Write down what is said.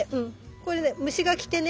これね虫が来てね